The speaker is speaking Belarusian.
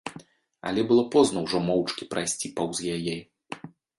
Але было позна ўжо моўчкі прайсці паўз яе.